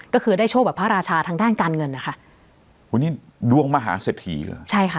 ก็คือได้โชคแบบพระราชาทางด้านการเงินนะคะวันนี้ดวงมหาเศรษฐีเหรอใช่ค่ะ